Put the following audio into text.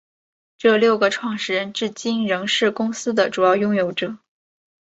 这六个创始人至今仍是公司的主要拥有者。